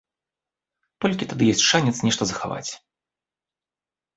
Толькі тады ёсць шанец нешта захаваць.